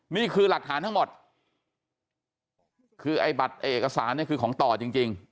นี่คือหลักฐานทั้งหมดคือบัตรเอกสารคือของต่อจริง